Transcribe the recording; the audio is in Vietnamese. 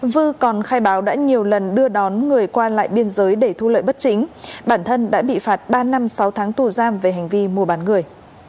vư còn khai báo đã nhiều lần đưa đón người qua lại biên giới để thu lợi bất chính bản thân đã bị phạt ba năm sáu tháng tù giam về hành vi mua bán người